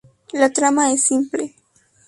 La trama es simple.